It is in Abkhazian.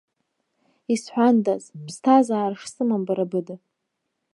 Исҳәандаз ԥсҭазаара шсымам бара быда.